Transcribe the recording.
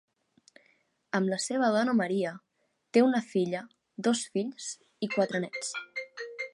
Amb la seva dona Maria, té una filla, dos fills i quatre nets.